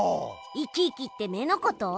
生き生きって目のこと？